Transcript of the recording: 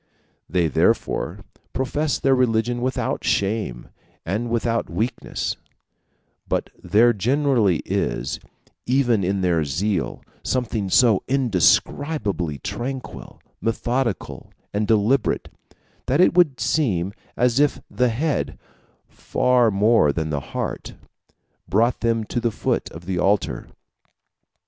They therefore profess their religion without shame and without weakness; but there generally is, even in their zeal, something so indescribably tranquil, methodical, and deliberate, that it would seem as if the head, far more than the heart, brought them to the foot of the altar.